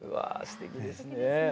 すてきですね。